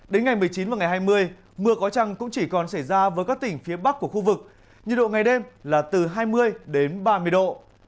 đến ngày một mươi chín và ngày hai mươi mưa có trăng cũng chỉ còn xảy ra với các tỉnh phía bắc của khu vực nhiệt độ ngày đêm là từ hai mươi đến ba mươi độ